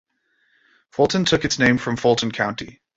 Fulton took its name from Fulton County.